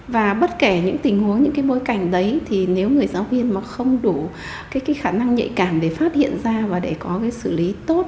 và bất kể những tình huống những cái bối cảnh đấy thì nếu người giáo viên mà không đủ cái khả năng nhạy cảm để phát hiện ra và để có cái xử lý tốt